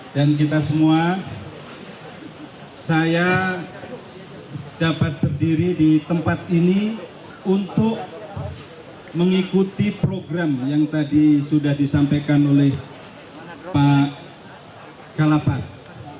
dan kita semua saya dapat berdiri di tempat ini untuk mengikuti program yang tadi sudah disampaikan oleh pak kalapas